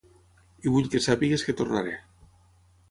I vull que sàpigues que tornaré.